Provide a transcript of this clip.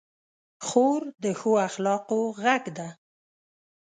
خور د ښو اخلاقو غږ ده.